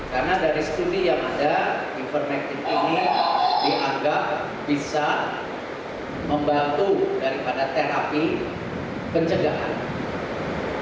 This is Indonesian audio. karena dari studi yang ada ivermectin ini dianggap bisa membantu daripada terapi pencegahan